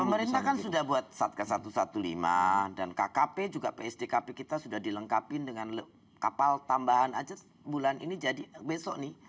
pemerintah kan sudah buat satgas satu ratus lima belas dan kkp juga psdkp kita sudah dilengkapin dengan kapal tambahan aja bulan ini jadi besok nih